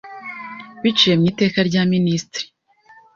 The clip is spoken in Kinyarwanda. biciye mu iteka rya Minisitiri,